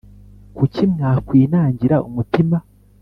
Kuki mwakwinangira umutima